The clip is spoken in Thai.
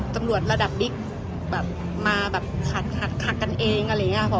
ตำรวจระดับบิ๊กแบบมาแบบขัดกันเองอะไรอย่างนี้ค่ะ